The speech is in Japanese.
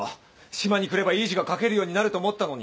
島に来ればいい字が書けるようになると思ったのに。